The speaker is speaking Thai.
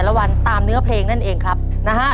ละวันตามเนื้อเพลงนั่นเองครับนะฮะ